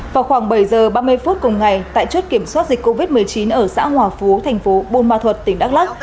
vào khoảng bảy giờ ba mươi phút cùng ngày tại chốt kiểm soát dịch covid một mươi chín ở xã hòa phú tp bun ma thuật tỉnh đắk lắk